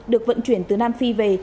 được vận chuyển từ nam phi về